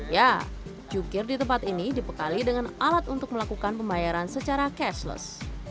ya jukir di tempat ini dibekali dengan alat untuk melakukan pembayaran secara cashless